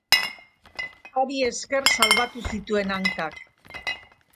Hari esker salbatu zituen hankak.